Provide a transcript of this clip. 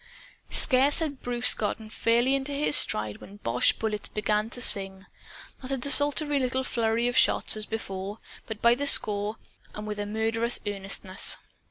Scarce had Bruce gotten fairly into his stride when the boche bullets began to sing not a desultory little flurry of shots, as before; but by the score, and with a murderous earnestness.